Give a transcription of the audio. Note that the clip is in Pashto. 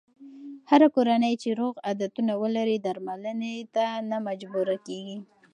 هره کورنۍ چې روغ عادتونه ولري، درملنې ته نه مجبوره کېږي.